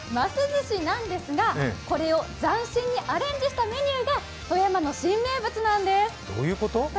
寿しなんですがこれを斬新にアレンジしたメニューが富山の新名物なんです。